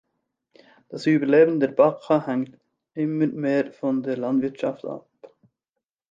Das Überleben der Baka hängt immer mehr von der Landwirtschaft ab.